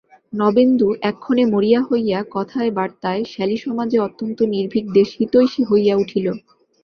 নবেন্দু এক্ষণে মরিয়া হইয়া কথায় বার্তায় শ্যালীসমাজে অত্যন্ত নির্ভীক দেশহিতৈষী হইয়া উঠিল।